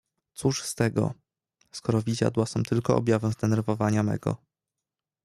"Cóż z tego, skoro widziadła są tylko objawem zdenerwowania mego."